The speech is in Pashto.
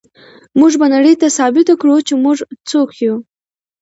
موږ به نړۍ ته ثابته کړو چې موږ څوک یو.